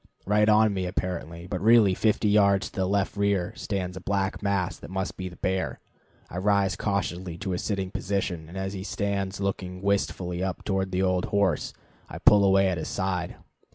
right on me apparently, but really fifty yards to the left rear, stands a black mass that must be the bear. I rise cautiously to a sitting position, and as he stands, looking wistfully up toward the old horse, I pull away at his side.